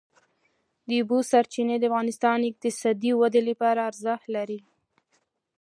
د اوبو سرچینې د افغانستان د اقتصادي ودې لپاره ارزښت لري.